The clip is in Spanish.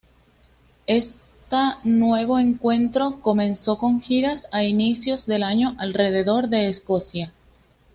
Esta nuevo encuentro comenzó con giras a inicios del año alrededor de Escocia.